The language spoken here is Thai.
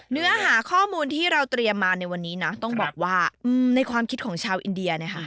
เนื้อหาข้อมูลที่เราเตรียมมาในวันนี้นะต้องบอกว่าในความคิดของชาวอินเดียนะคะ